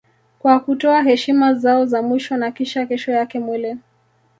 Kwa kutoa heshima zao za mwisho na kisha kesho yake mwili